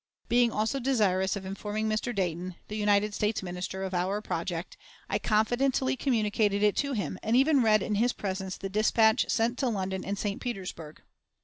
Being also desirous of informing Mr. Dayton, the United States Minister, of our project, I confidently communicated it to him, and even read in his presence the dispatch sent to London and St. Petersburg.